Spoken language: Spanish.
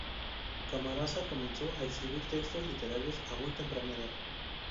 Camarasa comenzó a escribir textos literarios a muy temprana edad.